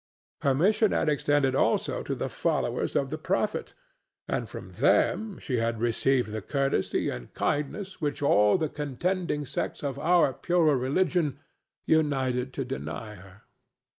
Her mission had extended also to the followers of the Prophet, and from them she had received the courtesy and kindness which all the contending sects of our purer religion united to deny her.